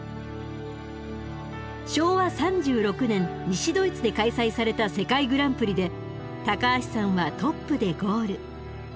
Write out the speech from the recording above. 昭和３６年西ドイツで開催された世界グランプリで高橋さんはトップでゴール。